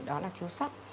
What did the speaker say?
đó là thiếu sắt